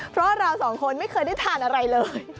เพราะเราสองคนไม่เคยได้ทานอะไรเลย